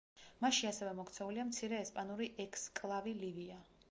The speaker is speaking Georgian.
მასში ასევე მოქცეულია მცირე ესპანური ექსკლავი ლივია.